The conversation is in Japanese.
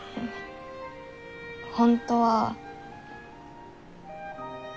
本当は。